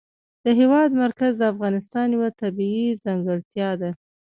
د هېواد مرکز د افغانستان یوه طبیعي ځانګړتیا ده.